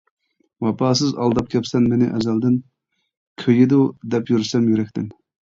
ۋاپاسىز ئالداپ كەپسەن مېنى ئەزەلدىن، كۆيىدۇ دەپ يۈرسەم يۈرەكتىن.